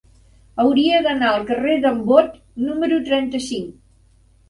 Hauria d'anar al carrer d'en Bot número trenta-cinc.